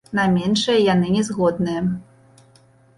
На меншае яны не згодныя.